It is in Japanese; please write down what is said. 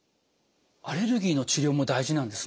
アレルギーの治療も大事なんですね。